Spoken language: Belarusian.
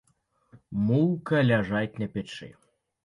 Мулка ляжаць на печы.